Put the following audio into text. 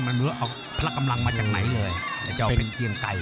มันเหลือเอาพละกำลังมาจากไหนเลยจะเอาเป็นเกียงไก่